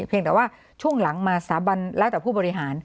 แต่ว่าช่วงหลังมาสาบันแล้วแต่ผู้บริหาร